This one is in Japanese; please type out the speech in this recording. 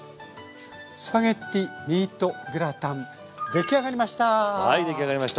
スパゲッティミートグラタン出来上がりました！